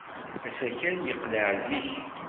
Asakal yeqleɛ zik.